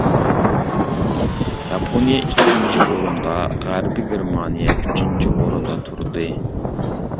ياپونىيە ئىككىنچى ئورۇندا، غەربىي گېرمانىيە ئۈچىنچى ئورۇندا تۇردى.